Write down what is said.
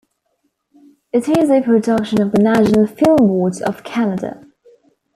It is a production of the National Film Board of Canada.